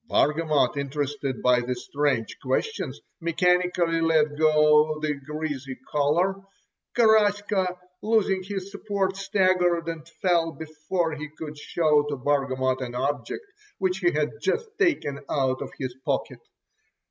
Bargamot, interested by the strange questions, mechanically let go the greasy collar. Garaska, losing his support, staggered and fell before he could show to Bargamot an object which he had just taken out of his pocket.